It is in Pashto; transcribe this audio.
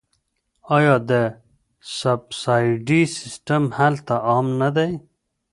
آیا د سبسایډي سیستم هلته عام نه دی؟